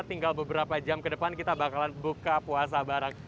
tinggal beberapa jam ke depan kita bakalan buka puasa bareng